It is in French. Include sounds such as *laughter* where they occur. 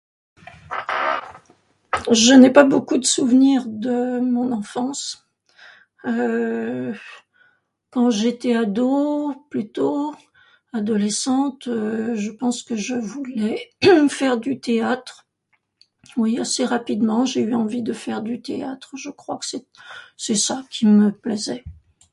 Je n'ai pas beaucoup de souvenirs de mon enfance ; euh... quand j'étais ado..., plutôt adolescente, je pense que je voulais *coughs* faire du théâtre. Oui, assez rapidement j'ai eu envie de faire du théâtre. Je crois que c'est, c'est ça qui me plaisait.